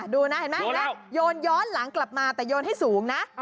ดูนะเห็นไหมโยนย้อนหลังกลับมาแต่โยนให้สูงนะ